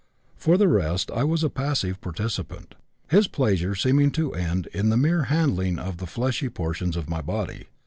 For the rest I was a passive participant, his pleasure seeming to end in the mere handling of the fleshy portions of my body.